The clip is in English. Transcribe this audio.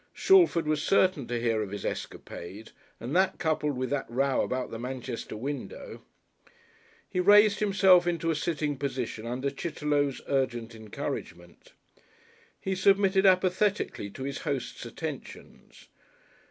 Shalford was certain to hear of his escapade, and that coupled with that row about the Manchester window ! He raised himself into a sitting position under Chitterlow's urgent encouragement. He submitted apathetically to his host's attentions.